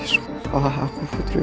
ini sukalah aku petri susu reng